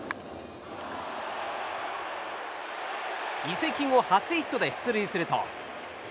移籍後初ヒットで出塁すると。